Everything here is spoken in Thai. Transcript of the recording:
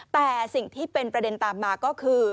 แต่สิ่งที่เป็นประเด็นตามมาก็คือ